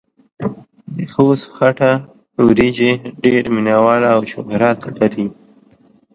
دخوست خټه وريژې ډېر مينه وال او شهرت لري.